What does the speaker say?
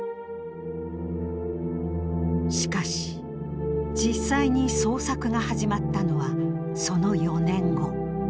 しかし実際に捜索が始まったのはその４年後。